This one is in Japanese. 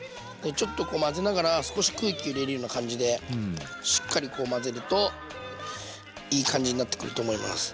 ちょっとこう混ぜながら少し空気入れるような感じでしっかり混ぜるといい感じになってくると思います。